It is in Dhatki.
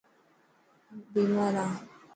هون بيمار هان.